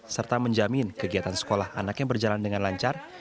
serta menjamin kegiatan sekolah anak yang berjalan dengan lancar